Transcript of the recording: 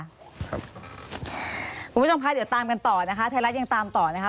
คุณผู้ชมคะเดี๋ยวตามกันต่อนะคะไทยรัฐยังตามต่อนะคะ